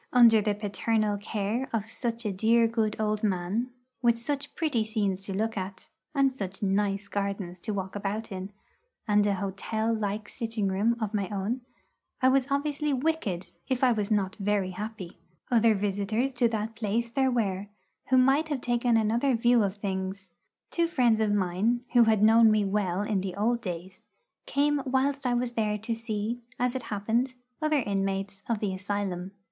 Under the paternal care of such a dear good old man, with such pretty scenes to look at, and such nice gardens to walk about in, and an hotel like sitting room of my own, I was obviously wicked if I was not very happy. Other visitors to that place there were, who might have taken another view of things. Two friends of mine, who had known me well in old days, came whilst I was there to see, as it happened, other inmates of the asylum.